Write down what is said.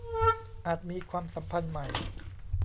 อาจมีความสัมพันธ์ใหม่